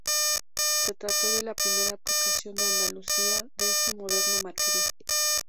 Se trató de la primera aplicación en Andalucía de este moderno material.